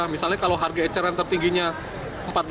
misalnya kalau harga eceran tertingginya empat belas